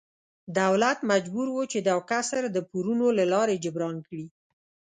دولت مجبور و چې دا کسر د پورونو له لارې جبران کړي.